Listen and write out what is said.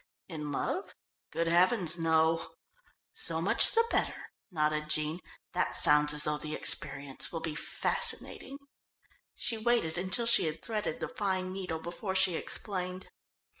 "In love good heavens, no." "So much the better," nodded Jean, "that sounds as though the experience will be fascinating." She waited until she had threaded the fine needle before she explained.